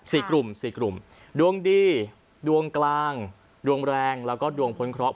สี่กลุ่มสี่กลุ่มดวงดีดวงกลางดวงแรงแล้วก็ดวงพ้นเคราะห